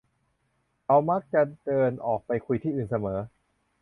เขามักจะเดินออกไปคุยที่อื่นเสมอ